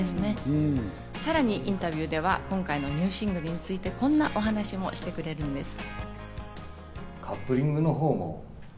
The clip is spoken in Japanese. さらにインタビューでは今回のニューシングルについて、こんなお話もしてくれるんです。